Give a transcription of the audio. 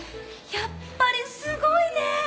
やっぱりすごいね！